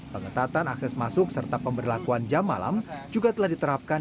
pengetatan akses masuk serta pemberlakuan jam malam juga telah diterapkan